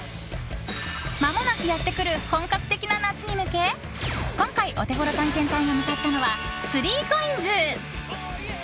まもなくやってくる本格的な夏に向け今回、オテゴロ探検隊が向かったのはスリーコインズ！